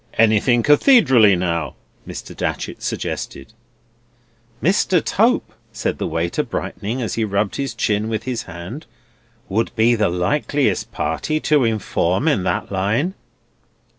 "Anything Cathedraly, now," Mr. Datchery suggested. "Mr. Tope," said the waiter, brightening, as he rubbed his chin with his hand, "would be the likeliest party to inform in that line."